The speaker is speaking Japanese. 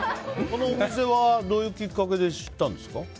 このお店はどういうきっかけで知ったんですか？